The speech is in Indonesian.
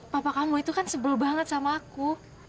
papa kamu itu kan sebel banget sama aku